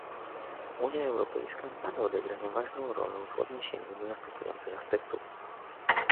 Unia Europejska ma do odegrania ważną rolę w odniesieniu do następujących aspektów